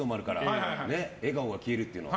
笑顔が消えるっていうの。